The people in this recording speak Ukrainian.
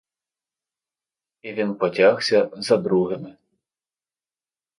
І він потягся за другими.